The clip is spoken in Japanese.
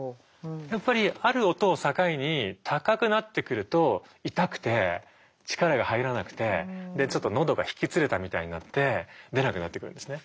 やっぱりある音を境に高くなってくると痛くて力が入らなくてちょっと喉がひきつれたみたいになって出なくなってくるんですね。